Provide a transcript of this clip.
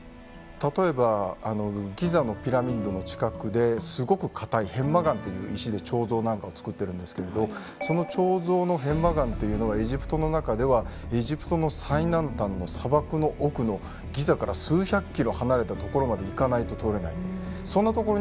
例えばギザのピラミッドの近くですごくかたい片麻岩という石で彫像なんかを作ってるんですけれどその彫像の片麻岩というのはエジプトの中ではエジプトの最南端の砂漠の奥のギザから数百キロ離れた所まで行かないと採れない。